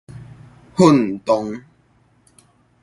楦動